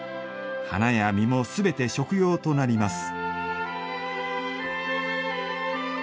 花や実もすべて食用となります。